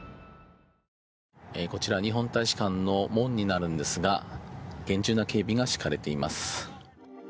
こちら、日本大使館の門になるんですが厳重な警備が敷かれています。